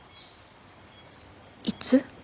いつ？